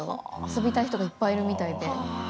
遊びたい人がいっぱいいるみたいで。